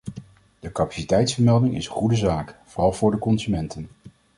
De capaciteitsvermelding is een goede zaak, vooral voor de consumenten.